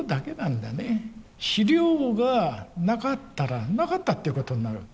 資料がなかったらなかったっていうことになる。